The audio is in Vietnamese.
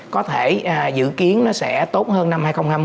có thể dự kiến nó sẽ tốt hơn năm hai nghìn hai mươi